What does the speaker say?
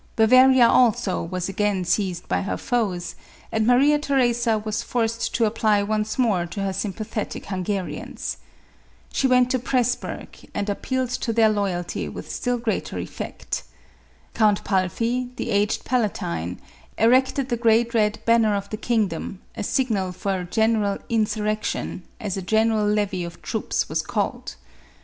Bavaria also, was again seized by her foes ; and Maria Theresa was forced to apply once more to her sympathetic Hungarians. She went to Presburg, and appealed to their loyalty with still greater effect. Count Palfy, the aged palatine, erected the great red banner of the kingdom, a signal for a general " insurrection," as a general levy of troops was called.